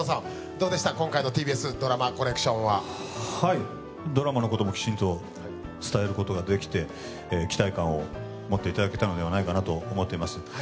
どうでした今回の「ＴＢＳＤＲＡＭＡＣＯＬＬＥＣＴＩＯＮ」ははいドラマのこともきちんと伝えることができて期待感を持っていただけたのではないかなと思っています